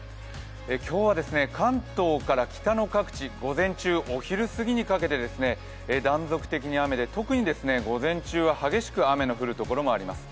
今日は関東から北の各地、午前中からお昼過ぎにかけて断続的に雨で特に午前中は激しく雨の降るところもあります。